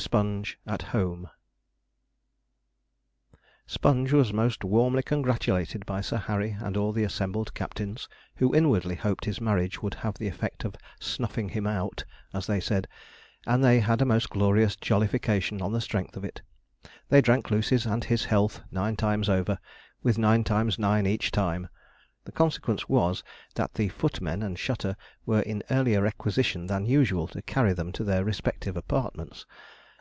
SPONGE AT HOME Sponge was most warmly congratulated by Sir Harry and all the assembled captains, who inwardly hoped his marriage would have the effect of 'snuffing him out,' as they said, and they had a most glorious jollification on the strength of it. They drank Lucy's and his health nine times over, with nine times nine each time. The consequence was, that the footmen and shutter were in earlier requisition than usual to carry them to their respective apartments.